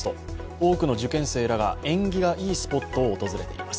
多くの受験生らが縁起がいいスポットを訪れています。